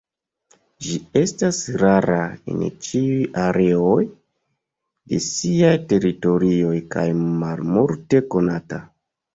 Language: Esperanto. Ĝi estas rara en ĉiuj areoj de siaj teritorioj kaj malmulte konata.